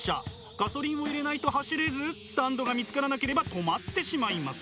ガソリンを入れないと走れずスタンドが見つからなければ止まってしまいます。